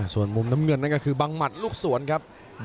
ส่วนมุมน้ำเงินนั่นก็คือบังหมัดลูกสวนครับ